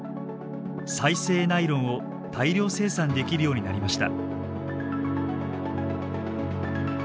再生ナイロンを大量生産できるようになりました。